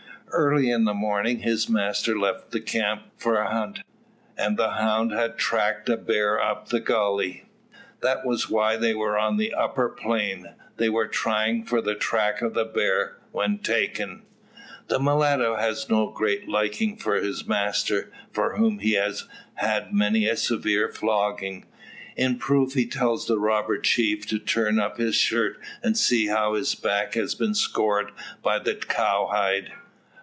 Early in the morning, his master left the camp for a hunt, and the hound had tracked a bear up the gully. That was why they were on the upper plain; they were trying for the track of the bear, when taken. The mulatto has no great liking for his master, from whom he has had many a severe flogging. In proof he tells the robber chief to turn up his shirt, and see how his back has been scored by the cowhide.